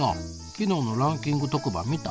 昨日のランキング特番見た？